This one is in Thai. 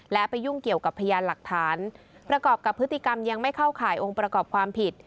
และไปยุ่งเกี่ยวกับพยานหลักฐานประกอบกับพฤติกรรมยังไม่เข้าข่ายองค์ประกอบความผิด